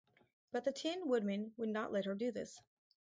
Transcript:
But the Tin Woodman would not let her do this.